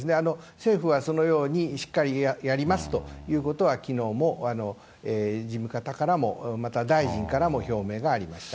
政府はそのようにしっかりやりますということは、きのうも事務方からも、また大臣からも表明がありました。